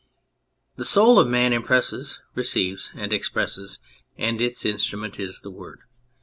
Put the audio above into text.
The soul of man impresses, receives and expresses, and its instrument is the Word.